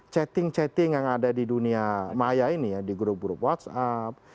chatting chatting yang ada di dunia maya ini ya di grup grup whatsapp